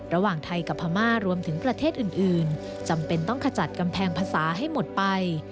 ระหว่างไทยกับพม่ารวมถึงประเทศอื่นจำเป็นต้องขจัดกำแพงภาษาให้หมดไป